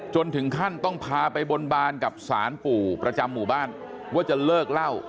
จนถึงขั้นต้องพาไปบนบานกับสารปู่ประจำหมู่บ้านว่าจะเลิกเล่า